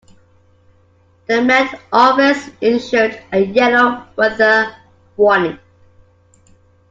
The met office issued a yellow weather warning.